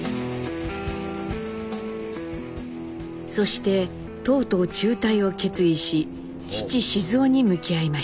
そしてとうとう中退を決意し父雄に向き合いました。